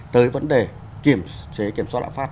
tới vấn đề kiểm chế kiểm soát lạm phát